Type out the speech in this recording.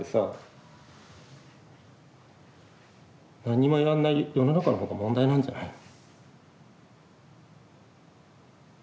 何にもやんない世の中の方が問題なんじゃないの。